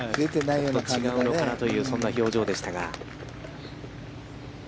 ちょっと違うのかなというそんな表情でしたが。